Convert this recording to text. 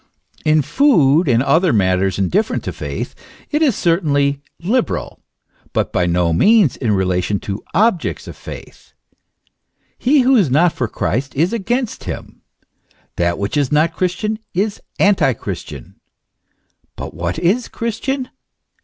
In food and other matters, indifferent to faith, it is certainly liberal ; but by no means in relation to objects of faith. He who is not for Christ is against him; that which is not Christian is antichristian. But what is Christian?